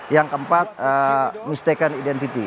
yang keempat mistacan identity